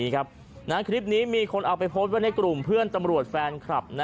คลิปนี้มีคนเอาไปโพสต์ไว้ในกลุ่มเพื่อนตำรวจแฟนคลับ